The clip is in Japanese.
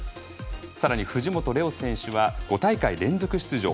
さらに藤本怜央選手は５大会連続出場。